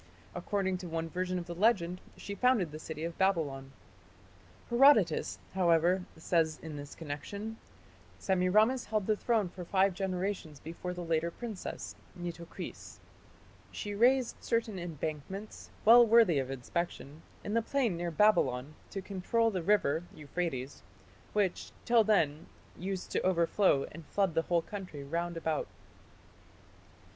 According to one version of the legend she founded the city of Babylon. Herodotus, however, says in this connection: "Semiramis held the throne for five generations before the later princess (Nitocris).... She raised certain embankments, well worthy of inspection, in the plain near Babylon, to control the river (Euphrates), which, till then, used to overflow and flood the whole country round about."